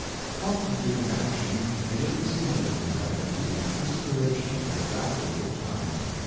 Promptitude in action may be stimulated by a due consideration of the value of time.